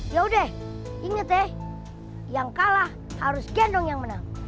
ya udah inget deh yang kalah harus gendong yang menang